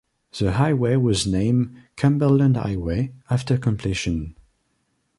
The highway was named "Cumberland Highway" after completion.